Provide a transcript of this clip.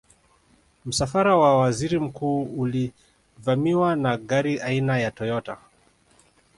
msafara wa waziri mkuu ulivamiwa na gari aina ya toyota